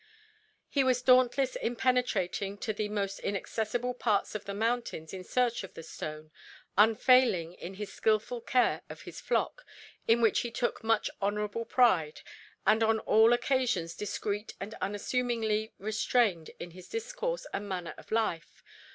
He was dauntless in penetrating to the most inaccessible parts of the mountains in search of the stone, unfailing in his skilful care of the flock, in which he took much honourable pride, and on all occasions discreet and unassumingly restrained in his discourse and manner of life.